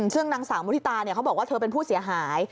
ซึ่งนางสาวมุฒิตาเขาบอกว่าเธอเป็นผู้เสียหาย